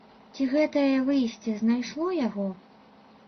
Ці гэтае выйсце знайшло яго?